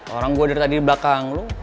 orang gue udah tadi di belakang lo